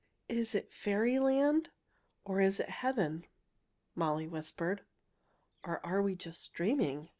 "Is it fairyland, or is it heaven?" Molly whispered. "Or are we just dreaming?"